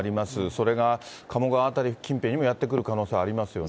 それが鴨川辺り近辺にもやって来る可能性ありますよね。